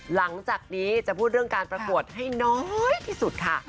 หลังจากนี้จะพูดเรื่องการประกวดให้น้อยที่สุดค่ะ